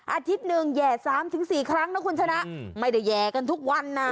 อาทิตย์หนึ่งแห่๓๔ครั้งนะคุณชนะไม่ได้แห่กันทุกวันนะ